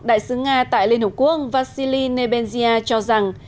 đại sứ nga tại liên hợp quốc vasili nebensia cho rằng